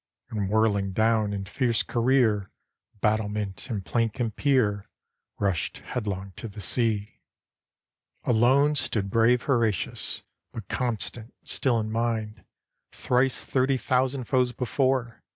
And whirling down, in fierce career. Battlement, and plank, and pier, Rushed headlong to the sea. Alone stood brave Horatius, But constant still in mind; Thrice thirty thousand foes before.